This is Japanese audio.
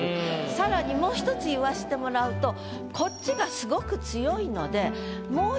さらにもう１つ言わしてもらうとこっちがすごく強いので。